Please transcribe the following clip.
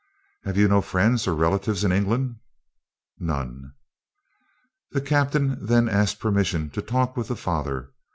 "Have you no friends or relatives in England?" "None." The captain then asked permission to talk with the father.